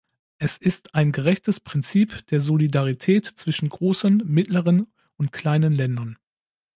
Es ist ein gerechtes Prinzip der Solidarität zwischen großen, mittleren und kleinen Ländern.